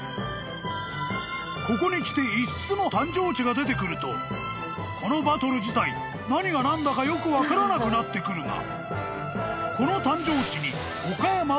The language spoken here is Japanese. ［ここにきて５つも誕生地が出てくるとこのバトル自体何が何だかよく分からなくなってくるが］